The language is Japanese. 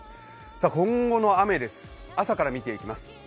今後の雨です、朝から見ていきます。